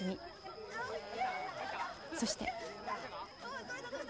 そして。